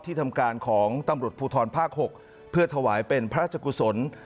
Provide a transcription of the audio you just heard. ทำการของตำรวจภูทรภาค๖เพื่อถวายเป็นพระราชกุศล